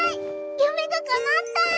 ゆめがかなった！